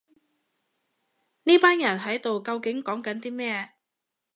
呢班人喺度究竟講緊啲咩